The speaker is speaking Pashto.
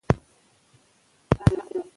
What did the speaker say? ټکنالوژي به سمه وکارول شي.